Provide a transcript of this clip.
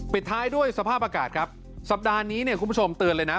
ปิดท้ายด้วยสภาพอากาศครับสัปดาห์นี้เนี่ยคุณผู้ชมเตือนเลยนะ